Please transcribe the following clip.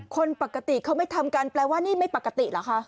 คนปกติเขาไม่ทำกันแปลว่านี่ไม่ปกติเหรอคะ